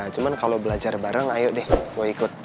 cuma kalau belajar bareng ayo deh gue ikut